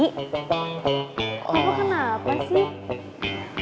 papa kenapa sih